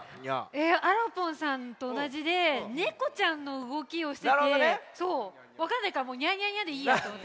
えあらぽんさんとおなじでねこちゃんのうごきをしててわかんないからもう「ニャニャニャ」でいいやとおもって。